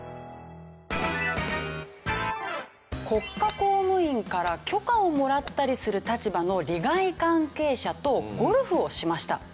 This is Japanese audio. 国家公務員から許可をもらったりする立場の利害関係者とゴルフをしました。